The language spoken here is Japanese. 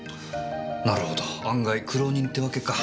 なるほど案外苦労人てわけか。